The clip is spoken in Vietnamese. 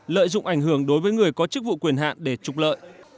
lợi dụng ảnh hưởng đối với người có chức vụ quyền hạn để trục lợi